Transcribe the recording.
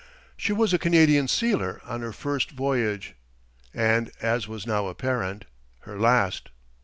She was a Canadian sealer on her first voyage, and as was now apparent, her last.